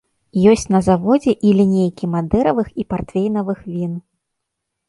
Ёсць на заводзе і лінейкі мадэравых і партвейнавых він.